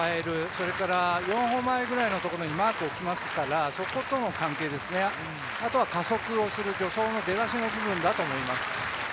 それから４歩前のところにマークを置きますから、そことの関係ですね、あとは加速をする、助走の出だしの部分だと思います。